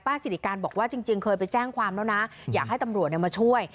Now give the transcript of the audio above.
สิริการบอกว่าจริงเคยไปแจ้งความแล้วนะอยากให้ตำรวจมาช่วย